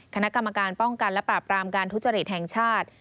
คณะกรรมการป้องกันและปราบรามการทุจริตแห่งชาติ